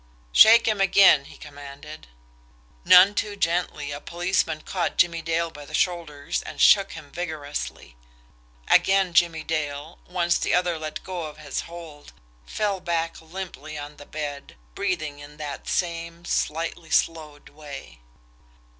"Shake him again!" he commanded. None too gently, a policeman caught Jimmie Dale by the shoulder and shook him vigorously again Jimmie Dale, once the other let go his hold, fell back limply on the bed, breathing in that same, slightly slowed way.